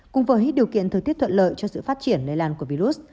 cùng với điều kiện thời tiết thuận lợi cho sự phát triển lây lan của virus